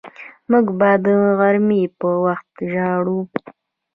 موږ به د غرمې په وخت ژاړو